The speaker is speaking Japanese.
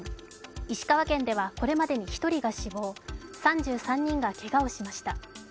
石川県ではこれまでに１人が死亡３３人がけがをしました。